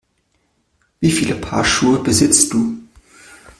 Wie viele Paar Schuhe besitzt du?